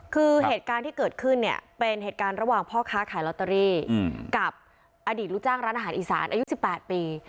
คือเหตุการณ์ที่เกิดขึ้นเนี่ยเป็นเหตุการณ์ระหว่างพ่อค้าขายลอตเตอรี่กับอดีตลูกจ้างร้านอาหารอีสานอายุ๑๘ปี